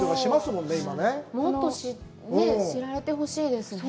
もっと知られてほしいですね。